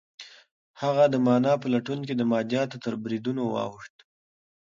هغه د مانا په لټون کې د مادیاتو تر بریدونو واوښت.